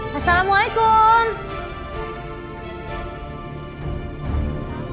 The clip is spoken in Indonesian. masa apa ini sih